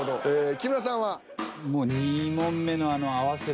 木村さんは？